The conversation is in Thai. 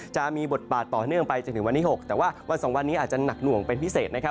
จะมีบทบาทต่อเนื่องไปจนถึงวันที่๖แต่ว่าวันสองวันนี้อาจจะหนักหน่วงเป็นพิเศษนะครับ